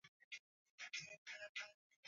waliokuwa chini ya Sultani nchini Tanganyika